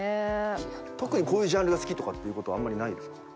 特にこういうジャンルが好きとかっていうことはあんまりないですか？